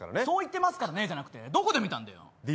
そう言ってますからねじゃなくてどこで見たんだよ？